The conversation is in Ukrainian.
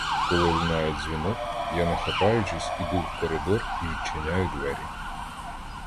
Коли лунає дзвінок, я, не хапаючись, іду в коридор і відчиняю двері.